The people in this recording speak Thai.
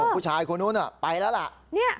ผู้ชายคนนู้นไปแล้วล่ะ